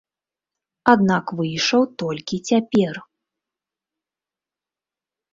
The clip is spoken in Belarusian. Аднак выйшаў толькі цяпер.